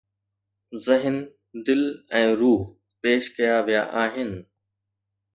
ذهن، دل ۽ روح پيش ڪيا ويا آهن